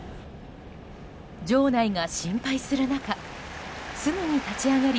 場内が心配する中すぐに立ち上がり